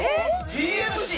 ＴＭＣ？